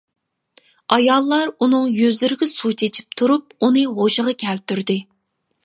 ئاياللار ئۇنىڭ يۈزلىرىگە سۇ چىچىپ تۇرۇپ ئۇنى ھوشىغا كەلتۈردى.